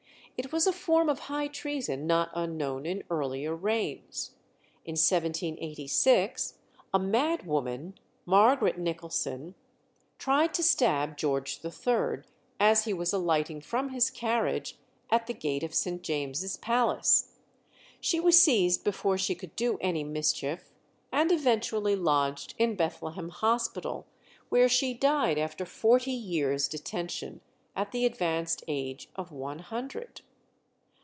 It was a form of high treason not unknown in earlier reigns. In 1786 a mad woman, Margaret Nicholson, tried to stab George III. as he was alighting from his carriage at the gate of St. James's Palace. She was seized before she could do any mischief, and eventually lodged in Bethlehem Hospital, where she died after forty years' detention, at the advanced age of one hundred.